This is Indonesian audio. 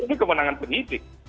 ini kemenangan penyidik